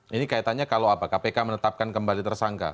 ini kaitannya kalau apa kpk menetapkan kembali tersangka